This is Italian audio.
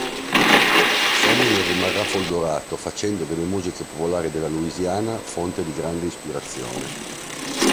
Sonny ne rimarrà folgorato facendo delle musiche popolari della Louisiana fonte di grande ispirazione.